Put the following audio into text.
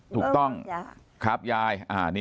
ถูกต้องครับยาย